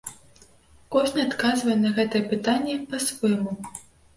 Кожны адказвае на гэтае пытанне па-свойму.